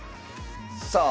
さあ